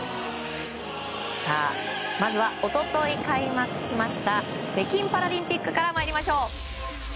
まずは一昨日、開幕しました北京パラリンピックから参りましょう。